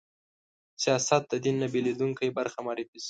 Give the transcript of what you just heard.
سیاست د دین نه بېلېدونکې برخه معرفي شي